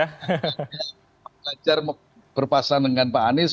kalau belajar berpasangan dengan pak anies